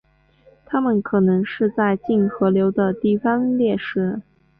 它们可能是在近河流的地方猎食。